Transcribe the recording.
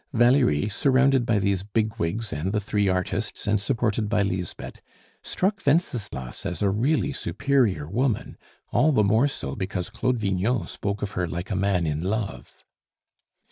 Valerie, surrounded by these bigwigs and the three artists, and supported by Lisbeth, struck Wenceslas as a really superior woman, all the more so because Claude Vignon spoke of her like a man in love.